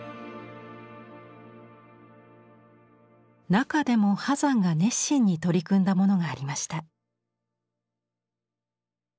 中でも波山が熱心に取り組んだものがありました。